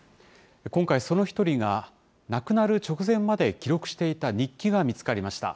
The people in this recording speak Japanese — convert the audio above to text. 今回、その１人が亡くなる直前まで記録していた日記が見つかりました。